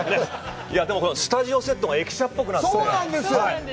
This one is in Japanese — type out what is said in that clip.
でも、スタジオのセットが駅舎っぽくなって。